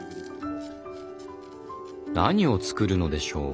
何を作るのでしょう？